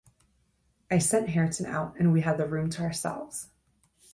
I sent Hareton out, and we had the room to ourselves.